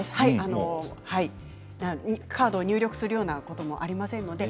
カードを入力するようなことはありませんので。